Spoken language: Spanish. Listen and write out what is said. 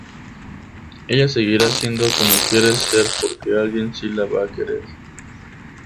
Ella seguirá siendo como quiere ser porque alguien sí la va a querer.